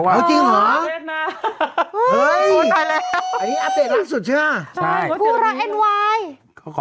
ว่าเฮ้ยจริงเหรอเฮ้ยอันนี้อัปเดตรักสุดเชื่อใช่เขาขอ